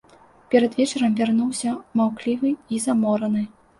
Перад вечарам вярнуўся маўклівы і замораны.